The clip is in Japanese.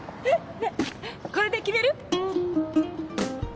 ねえこれで決める？